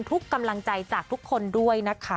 กำลังใจจากทุกคนด้วยนะคะ